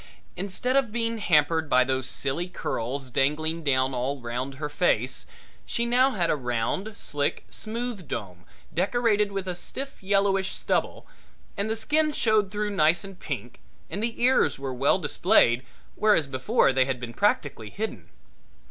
Instead of being hampered by those silly curls dangling down all round her face, she now had a round, slick, smooth dome decorated with a stiff yellowish stubble, and the skin showed through nice and pink and the ears were well displayed, whereas before they had been practically hidden.